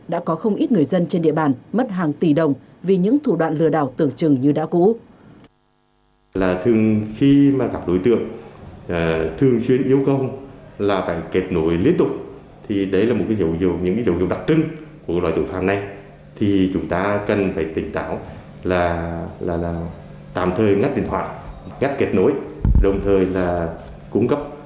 đã có không ít người dân trên địa bàn mất hàng tỷ đồng vì những thủ đoạn lừa đảo tưởng chừng như đã cũ